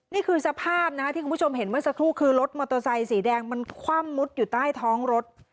นี่คือสภาพนะคะที่คุณผู้ชมเห็นเมื่อสักครู่คือรถมอเตอร์ไซค์สีแดงมันคว่ำมุดอยู่ใต้ท้องรถ